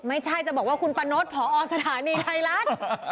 ไม่ใช่จะบอกว่าคุณปะนดพอสถานีไทยรัฐ